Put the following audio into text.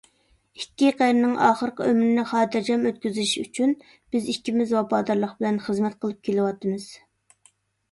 ئىككى قېرىنىڭ ئاخىرقى ئۆمرىنى خاتىرجەم ئۆتكۈزۈشى ئۈچۈن بىز ئىككىمىز ۋاپادارلىق بىلەن خىزمەت قىلىپ كېلىۋاتىمىز.